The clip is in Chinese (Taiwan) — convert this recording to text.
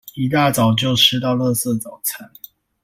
一大早就吃到垃圾早餐